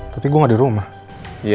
tapi gue gak di rumah